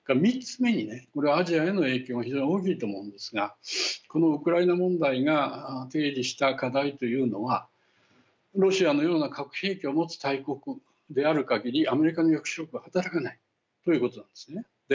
３つ目に、これはアジアへの影響が非常に大きいと思うんですがこのウクライナ問題が提示した課題というのはロシアのような核兵器を持つ大国であるかぎりアメリカの抑止力は働かないということなんですね。